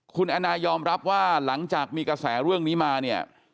คุณแอนนายอมรับว่าหลังจากมีกระแสเรื่องนี้มาเนี่ย